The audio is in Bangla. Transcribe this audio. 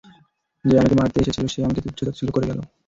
যে আমাকে মারতে এসেছিলো, সে আমাকে তুচ্ছতাচ্ছিল্য করে গেলো!